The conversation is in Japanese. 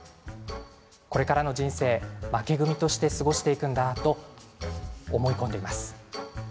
これからの人生負け組として過ごしていくんだと思い込んでいます。